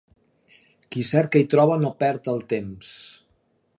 Qui cerca i troba no perd el temps.